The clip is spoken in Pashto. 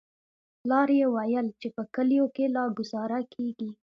پلار يې ويل چې په کليو کښې لا گوزاره کېږي.